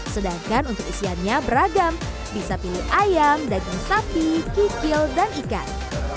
sedangkan untuk isiannya beragam bisa pilih ayam daging sapi kikil dan ikan